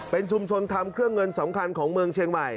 เป็นชุมชนทำเครื่องเงินสำคัญของเมืองเชียงใหม่